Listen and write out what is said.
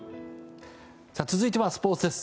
続いてはスポーツです。